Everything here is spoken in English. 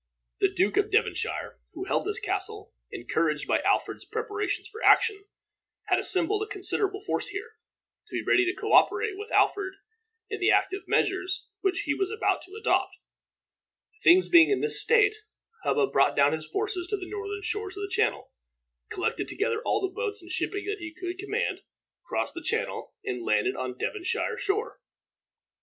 The Duke of Devonshire, who held this castle, encouraged by Alfred's preparations for action, had assembled a considerable force here, to be ready to co operate with Alfred in the active measures which he was about to adopt. Things being in this state, Hubba brought down his forces to the northern shores of the Channel, collected together all the boats and shipping that he could command, crossed the Channel, and landed on the Devonshire shore.